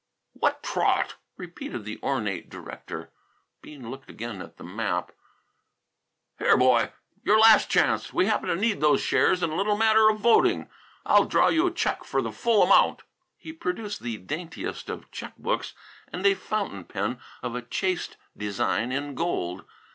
"Wha' trawt!" repeated the ornate director. Bean looked again at the map. "Here, boy, your last chance. We happen to need those shares in a little matter of voting. I'll draw you a check for the full amount." He produced the daintiest of check books and a fountain pen of a chaste design in gold.